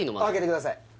開けてください